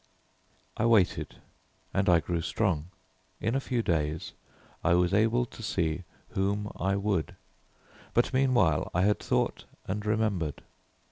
I waited and I grew strong; in a few days I was able to see whom I would, but meanwhile I had thought and remembered.